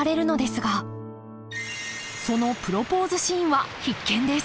そのプロポーズシーンは必見です！